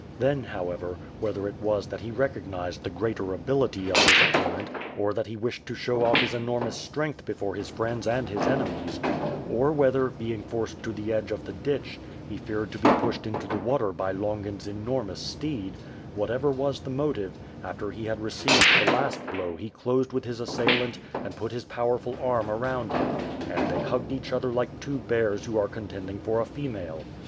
Then, however, whether it was that he recognized the greater ability of liis opponent or that he wished to show off his enormous strength before his friends and his enemies, or whether, being forced to the edge of the ditch, he feared to be pushed into the water by Longin's enormous steed — whatever was the motive, after he had received the last blow he closed with his assailant and put his powerful arm around him, and they hugged each other like two bears who are contending for a female.